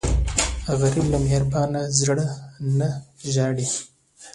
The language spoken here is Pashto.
غریب له مهربان زړه نه ژاړي